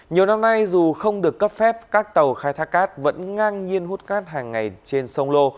nhiều năm nay dù không được cấp phép các tàu khai thác cát vẫn ngang nhiên hút cát hàng ngày trên sông lô